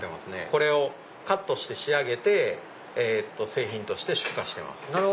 これをカットして仕上げて製品として出荷してます。